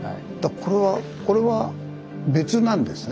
これはこれは別なんですね。